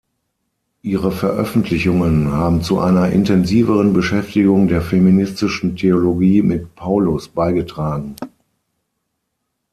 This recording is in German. Ihre Veröffentlichungen haben zu einer intensiveren Beschäftigung der Feministischen Theologie mit Paulus beigetragen.